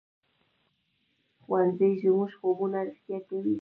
ښوونځی زموږ خوبونه رښتیا کوي